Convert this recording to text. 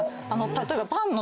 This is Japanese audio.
例えば。